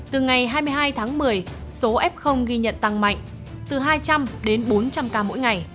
từ ngày hai mươi hai tháng một mươi số f ghi nhận tăng mạnh từ hai trăm linh đến bốn trăm linh ca mỗi ngày